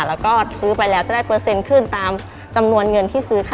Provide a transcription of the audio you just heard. แล้วก็ซื้อไปแล้วจะได้เปอร์เซ็นต์ขึ้นตามจำนวนเงินที่ซื้อค่ะ